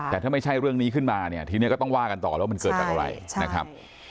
แต่ถ้าไม่ใช่เรื่องนี้ขึ้นมาเนี่ยทีนี้ก็ต้องว่ากันต่อแล้วมันเกิดจากอะไรนะครับ